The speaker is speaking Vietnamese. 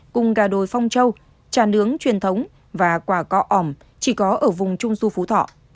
cùng gà đôi phong trâu trà nướng truyền thống và quả cọ ỏm chỉ có ở vùng trung du phú thọ